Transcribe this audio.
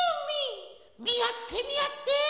みあってみあって！